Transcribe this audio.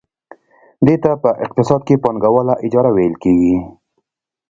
دې ته په اقتصاد کې پانګواله اجاره ویل کېږي